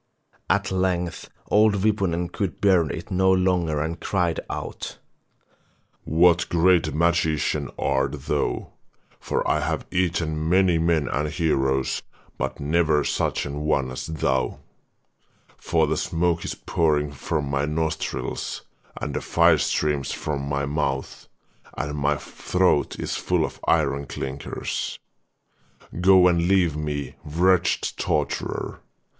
At length old Wipunen could bear it no longer and cried out : 'What great magician art thou, for I have eaten many men and heroes, but never such an one as thou: for the smoke is pouring from my nostrils, and the fire streams from my mouth, and my throat is full of iron clinkers. Go and leave me, wretched torturer!